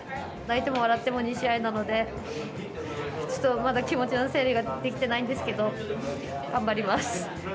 泣いても笑っても２試合なので、ちょっとまだ、気持ちの整理ができてないんですけど、頑張ります。